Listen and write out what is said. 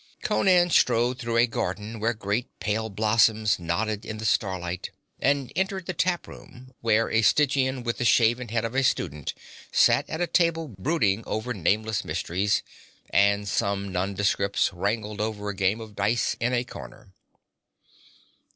Conan strode through a garden where great pale blossoms nodded in the starlight, and entered the tap room, where a Stygian with the shaven head of a student sat at a table brooding over nameless mysteries, and some nondescripts wrangled over a game of dice in a corner.